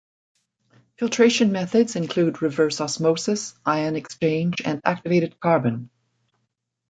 Filtration methods include reverse osmosis, ion exchange and activated carbon.